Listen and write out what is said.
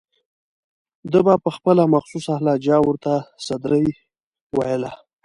ده به په خپله مخصوصه لهجه ورته سدرۍ ویله.